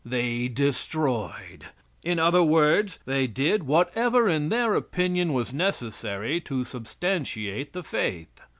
They destroyed. In other words, they did whatever in their opinion was necessary to substantiate the faith.